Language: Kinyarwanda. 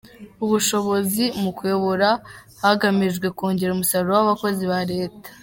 ubushobozi mu kuyobora hagamijwe kongera umusaruro w‟abakozi ba Leta.